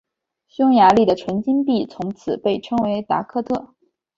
匈牙利的纯金币从此被称为达克特。